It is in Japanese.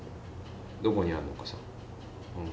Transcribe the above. どこにあんのかさ。